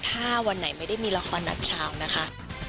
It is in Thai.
ถ้าวันไหนไม่ได้มีละครนัดเช้านะคะ